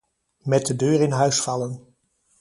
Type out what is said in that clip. Met de deur in huis vallen.